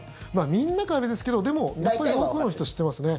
みんなかはあれですけどでも、多くの人知ってますね。